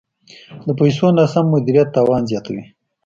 د پیسو ناسم مدیریت تاوان زیاتوي.